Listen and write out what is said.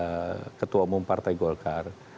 kepada ketua umum partai golkar